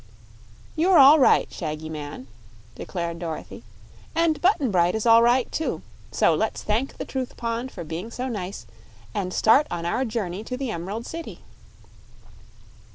"You're all right, Shaggy Man," declared Dorothy. "And Button Bright is all right, too. So let's thank the Truth Pond for being so nice, and start on our journey to the Emerald City."